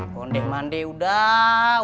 kondi mandi udah